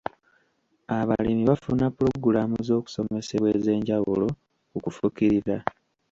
Abalimi bafuna pulogulaamu z'okusomesebwa ez'enjawulo ku kufukirira.